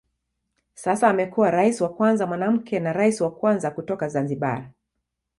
Sasa amekuwa rais wa kwanza mwanamke na rais wa kwanza kutoka Zanzibar.